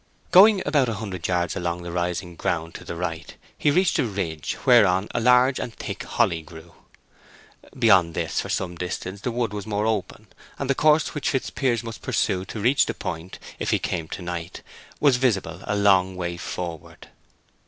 Going about a hundred yards along the rising ground to the right, he reached a ridge whereon a large and thick holly grew. Beyond this for some distance the wood was more open, and the course which Fitzpiers must pursue to reach the point, if he came to night, was visible a long way forward.